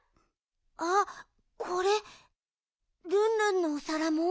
あっこれルンルンのおさらも？